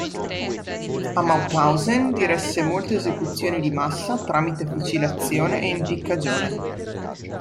A Mauthausen, diresse molte esecuzioni di massa tramite fucilazione e impiccagione.